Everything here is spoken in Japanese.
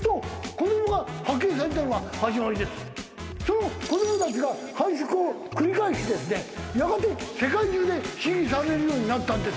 その子供たちが繁殖を繰り返してですねやがて世界中で飼育されるようになったんです。